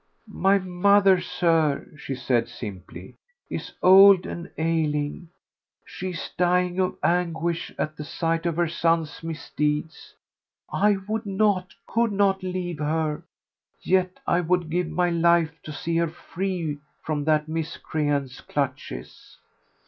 "My mother, Sir," she said simply, "is old and ailing; she is dying of anguish at sight of her son's misdeeds. I would not, could not leave her, yet I would give my life to see her free from that miscreant's clutches!"